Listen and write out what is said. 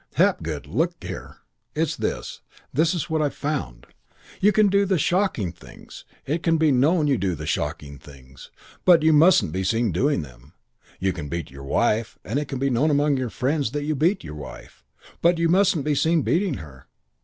"'Hapgood, look here. It's this. This is what I've found. You can do the shocking things, and it can be known you do the shocking things. But you mustn't be seen doing them. You can beat your wife, and it can be known among your friends that you beat your wife. But you mustn't be seen beating her.